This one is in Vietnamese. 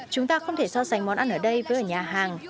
chúng ta không thể so sánh món ăn ở đây với ở nhà hàng